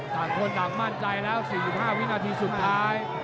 ต่างคนต่างมั่นใจแล้ว๔๕วินาทีสุดท้าย